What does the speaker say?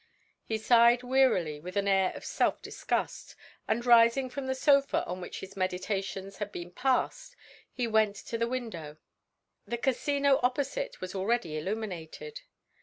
He sighed wearily with an air of self disgust, and rising from the sofa on which his meditations had been passed he went to the window. The Casino opposite was already illuminated.